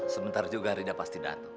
sebentar juga rida pasti datang